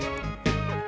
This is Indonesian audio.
ya udah gue naikin ya